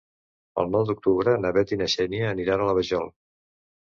El nou d'octubre na Bet i na Xènia aniran a la Vajol.